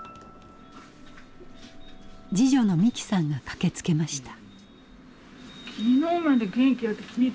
次女の美紀さんが駆けつけました。